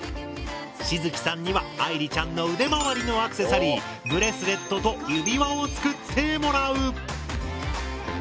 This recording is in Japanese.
しづきさんには愛莉ちゃんの腕まわりのアクセサリーブレスレットと指輪を作ってもらう。